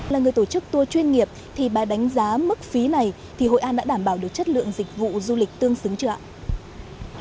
là người tổ chức tour chuyên nghiệp thì bà đánh giá mức phí này thì hội an đã đảm bảo được chất lượng dịch vụ du lịch tương xứng chưa ạ